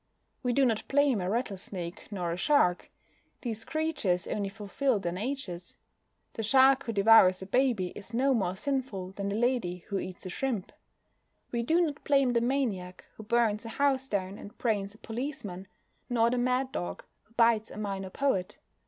We do not blame a rattlesnake, nor a shark. These creatures only fulfil their natures. The shark who devours a baby is no more sinful than the lady who eats a shrimp. We do not blame the maniac who burns a house down and brains a policeman, nor the mad dog who bites a minor poet.